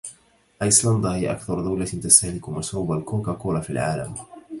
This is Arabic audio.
آيسلندا هي أكثر دولة تستهلك مشروب الكوكاكولا في العالم.